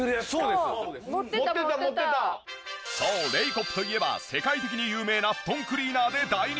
そうレイコップといえば世界的に有名な布団クリーナーで大人気。